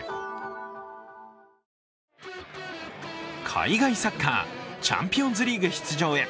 海外サッカー、チャンピオンズリーグ出場へ。